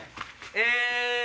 え。